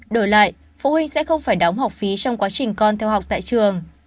đổi lại phụ huynh sẽ không phải đóng học phí trong quá trình con theo học tại trường